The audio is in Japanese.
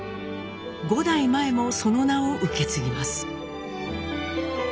５代前もその名を受け継ぎます。